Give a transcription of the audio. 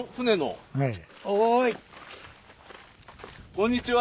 こんにちは。